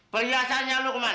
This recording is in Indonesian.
perhiasannya lo kemana